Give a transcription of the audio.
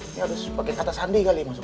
ini harus pakai kata sandi kali masuk